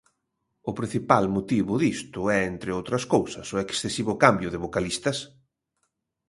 O principal motivo disto é, entre outras cousas, o excesivo cambio de vocalistas.